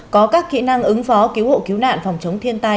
có các kỹ năng ứng phó cứu hộ cứu nạn phòng chống thiên tai